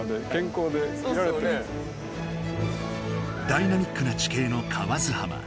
ダイナミックな地形の河津浜。